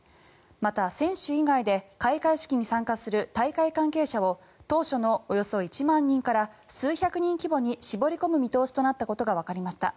また、選手以外で開会式に参加する大会関係者を当初のおよそ１万人から数百人規模に絞り込む見通しとなったことがわかりました。